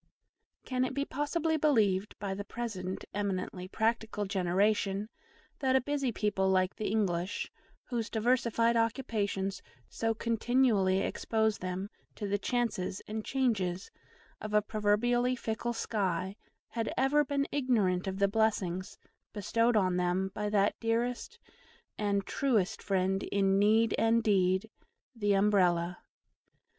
Can it be possibly believed, by the present eminently practical generation, that a busy people like the English, whose diversified occupations so continually expose them to the chances and changes of a proverbially fickle sky, had ever been ignorant of the blessings bestowed on them by that dearest and truest friend in need and in deed, the UMBRELLA?